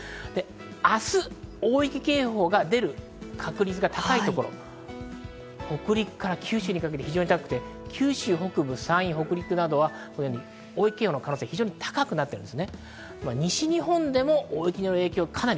明日、大雪警報が出る確率が高いところ、北陸から九州にかけて非常に高くて九州北部、山陰、北陸などは大雪警報の可能性が非常に高くなっています。